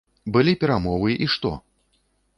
Былі перамовы і што?